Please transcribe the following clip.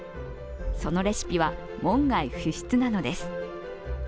そのレシピは門外不出なのです。